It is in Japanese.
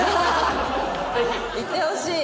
行ってほしい。